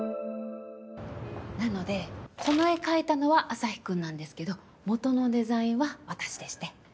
なのでこの絵描いたのはアサヒくんなんですけど元のデザインは私でして。